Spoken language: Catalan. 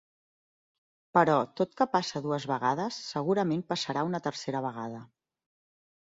Però tot que passa dues vegades segurament passarà una tercera vegada.